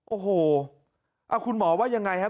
โอ้โหคุณหมอว่ายังไงฮะ